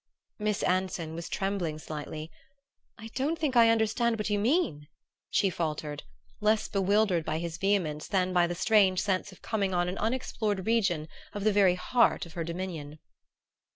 Miss Anson was trembling slightly. "I don't think I understand what you mean," she faltered, less bewildered by his vehemence than by the strange sense of coming on an unexplored region in the very heart of her dominion.